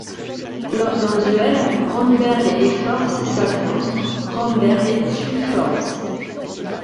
Lors d'un duel, Romberg et Forbes s'affrontent, Romberg tue Forbes.